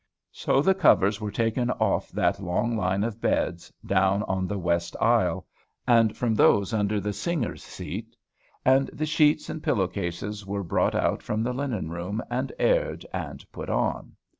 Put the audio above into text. So the covers were taken off that long line of beds, down on the west aisle, and from those under the singers' seat; and the sheets and pillow cases were brought out from the linen room, and aired, and put on.